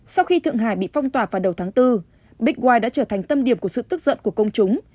sau khi thượng hải bị phong tỏa vào đầu tháng bốn big wi đã trở thành tâm điểm của sự tức giận của công chúng